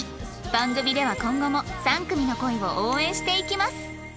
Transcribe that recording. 番組では今後も３組の恋を応援していきます